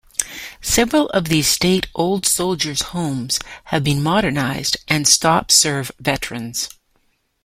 Several of these state old soldiers' homes have been modernized and stop serve veterans.